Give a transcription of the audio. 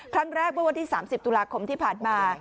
ครั้งแรกวันที่๓๐ตุลาคมที่ผ่านมา